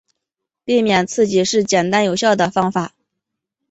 避免刺激是简单有效的方法。